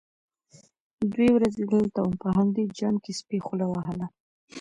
_دوې ورځې دلته وم، په همدې جام کې سپي خوله وهله.